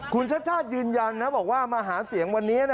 คุณชาติชาติยืนยันนะบอกว่ามาหาเสียงวันนี้